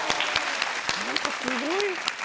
何かすごい。